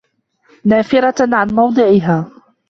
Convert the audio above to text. نَافِرَةً عَنْ مَوْضِعِهَا